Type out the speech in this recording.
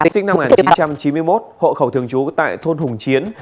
sinh năm một nghìn chín trăm chín mươi một hộ khẩu thường trú tại thôn hùng chiến